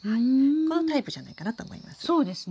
このタイプじゃないかなと思います。